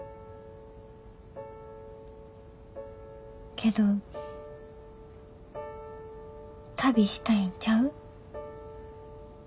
けど旅したいんちゃう？